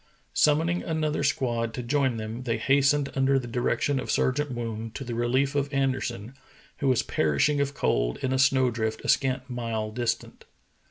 Summoning another squad to join them, they hastened under the direction of Sergeant Woon to the relief of Anderson, who was perishing of cold in a snow drift a scant mile distant.